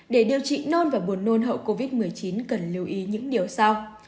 để điều trị nôn và buồn nôn hậu covid một mươi chín cần lưu ý những điều sau